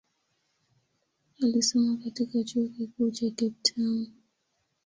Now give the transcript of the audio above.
Alisoma katika chuo kikuu cha Cape Town.